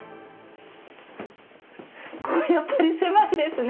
これやっぱり狭いですね。